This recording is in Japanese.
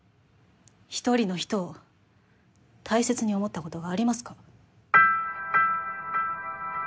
一人の人を大切に思ったことがありますか？